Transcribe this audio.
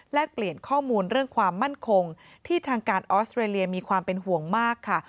เปลี่ยนข้อมูลเรื่องความมั่นคงที่ทางการออสเตรเลียมีความเป็นห่วงมากค่ะ